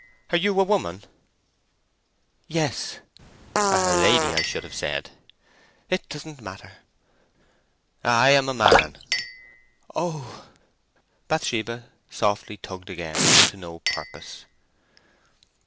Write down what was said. "Are you a woman?" "Yes." "A lady, I should have said." "It doesn't matter." "I am a man." "Oh!" Bathsheba softly tugged again, but to no purpose.